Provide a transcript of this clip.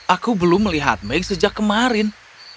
aku belum melihat make sejak kemarin